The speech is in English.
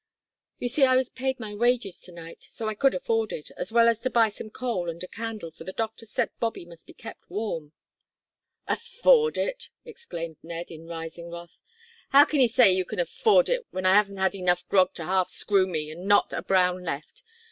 "You see I was paid my wages to night, so I could afford it, as well as to buy some coal and a candle, for the doctor said Bobby must be kept warm." "Afford it!" exclaimed Ned, in rising wrath, "how can 'ee say you can afford it w'en I 'aven't had enough grog to half screw me, an' not a brown left.